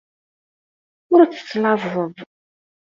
Ur tettlaẓeḍ.